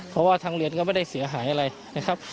เพราะว่าทางเรียนก็ไม่ได้เสียหายอะไรนะครับ